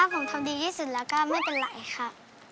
ผมทำดีที่สุดและไม่เป็นไรค่ะ